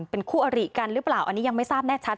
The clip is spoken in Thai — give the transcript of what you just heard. เป็นคู่อริกันหรือเปล่าอันนี้ยังไม่ทราบแน่ชัด